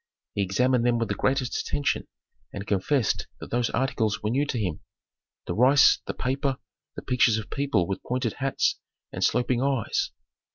He examined them with the greatest attention and confessed that those articles were new to him: the rice, the paper, the pictures of people with pointed hats and sloping eyes.